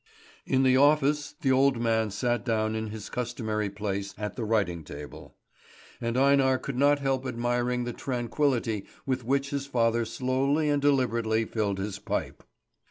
In the office the old man sat down in his customary place at the writing table; and Einar could not help admiring the tranquillity with which his father slowly and deliberately filled his pipe.